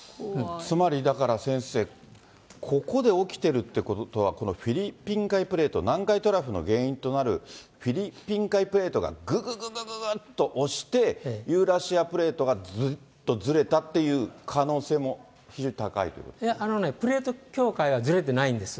つまり、だから、先生、ここで起きてるってことは、このフィリピン海プレート、南海トラフの原因となるフィリピン海プレートがぐぐぐぐっと押して、ユーラシアプレートがずっとずれたっていう可能性も非常に高いといや、あのね、ここはずれていない。